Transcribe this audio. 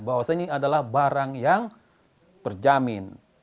bahwasannya ini adalah barang yang terjamin